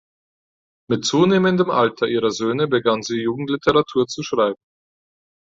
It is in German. Mit zunehmendem Alter ihrer Söhne begann sie Jugendliteratur zu schreiben.